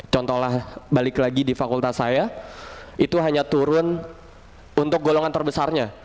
contohlah balik lagi di fakultas saya itu hanya turun untuk golongan terbesarnya